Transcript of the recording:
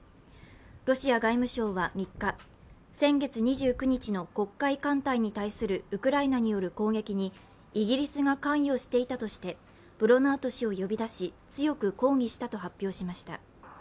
ロシア外務省は３日、先月２９日の黒海艦隊に対するウクライナによる攻撃にイギリスが関与していたとしてブロナート氏を呼び出し強く抗議したと発表しました。